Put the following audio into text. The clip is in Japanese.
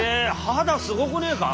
肌すごくねえか？